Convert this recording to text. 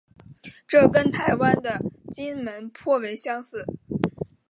这跟台湾的金门颇为相似。